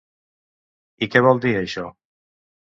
I què vol dir, això?